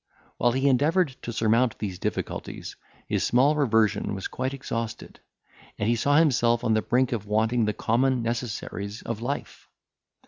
While he endeavoured to surmount these difficulties, his small reversion was quite exhausted, and he saw himself on the brink of wanting the common necessaries of life.